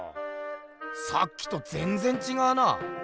さっきとぜんぜん違うな。